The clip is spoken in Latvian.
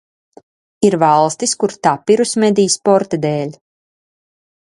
Ir valstis, kur tapirus medī sporta dēļ.